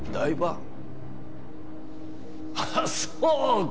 あっそうか！